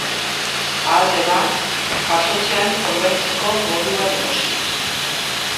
Ahal dela, jasotzean ordaintzeko moduan erosi.